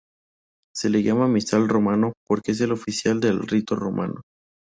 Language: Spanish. Se le llama Misal romano, porque es el oficial del rito romano.